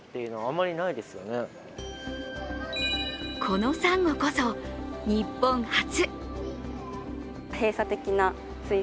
このサンゴこそ、日本初。